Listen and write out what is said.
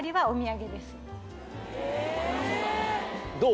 どう？